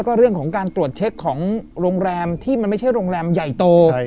ก็เรื่องของการตรวจเช็คของโรงแรมที่มันไม่ใช่โรงแรมใหญ่โต